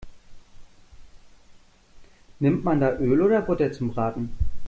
Nimmt man da Öl oder Butter zum Braten?